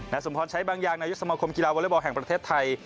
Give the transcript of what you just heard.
นักสมควรใช้บางอย่างในยุคสมครบกีฬาวอร์เลอร์บอลแห่งประเทศไทย